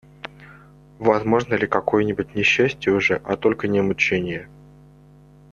Возможно ли какое-нибудь не счастье уже, а только не мученье?